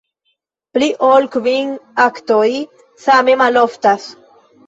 Pli ol kvin aktoj same maloftas.